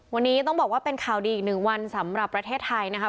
วันนี้ต้องบอกว่าเป็นข่าวดีอีกหนึ่งวันสำหรับประเทศไทยนะครับ